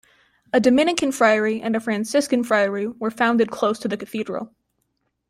A Dominican friary and a Franciscan friary were founded close to the cathedral.